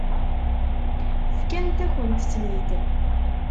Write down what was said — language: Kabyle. Fkant-akent-ten-id.